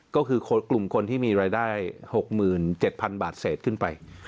ก็คือกลุ่มคนที่มีรายได้๖๗๐๐บาทเศษขึ้นไป